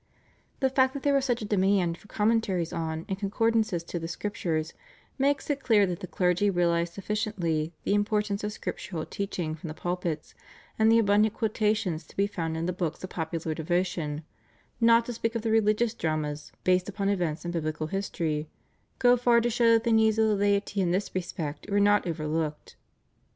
The fact that there was such a demand for commentaries on and concordances to the Scriptures makes it clear that the clergy realised sufficiently the importance of Scriptural teaching from the pulpits, and the abundant quotations to be found in the books of popular devotion, not to speak of the religious dramas based upon events in biblical history, go far to show that the needs of the laity in this respect were not overlooked.